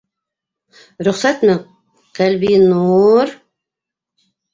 - Рөхсәтме, Ҡәлби-ну-ур?!